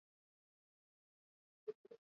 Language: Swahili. Maisha ni hazina.